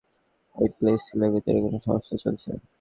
এই প্লে স্কুলের ভিতরে কোনো সমস্যা চলছে?